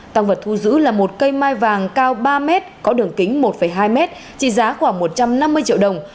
tăng vật thu giữ là một cây mai vàng cao ba m có đường kính một hai mét trị giá khoảng một trăm năm mươi triệu đồng